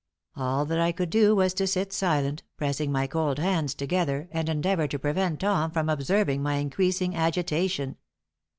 All that I could do was to sit silent, pressing my cold hands together, and endeavor to prevent Tom from observing my increasing agitation.